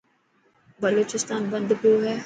بلوچستان بند پيو هي.